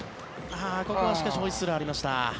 ここはしかしホイッスルがありました。